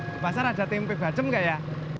di pasar ada tempe bacem gak ya